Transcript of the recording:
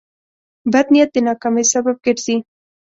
بد نیت د ناکامۍ سبب ګرځي.